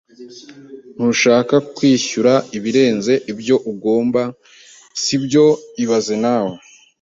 Ntushaka kwishyura ibirenze ibyo ugomba, sibyo ibaze nawe